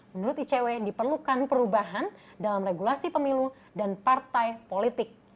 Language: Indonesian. menurut icw diperlukan perubahan dalam regulasi pemilu dan partai politik